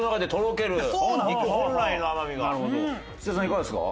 いかがですか？